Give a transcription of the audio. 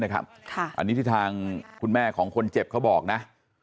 อันนี้ที่ทางคุณแม่ของคนเจ็บเขาบอกนะ